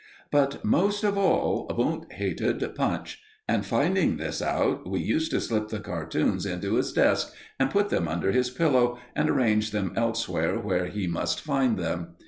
But most of all, Wundt hated Punch, and, finding this out, we used to slip the cartoons into his desk, and put them under his pillow, and arrange them elsewhere where he must find them.